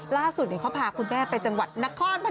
ล่าสุดเขาพาคุณแม่ไปจังหวัดนครพน